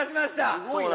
すごいな。